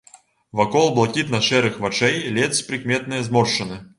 Вакол блакітна-шэрых вачэй ледзь прыкметныя зморшчыны.